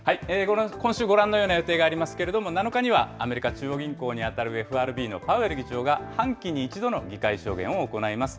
今週、ご覧のような予定がありますけれども、７日にはアメリカ中央銀行に当たるＦＲＢのパウエル議長が、半期に一度の議会証言を行います。